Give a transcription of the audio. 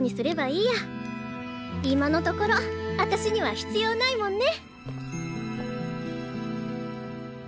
今のところあたしには必要ないもんね。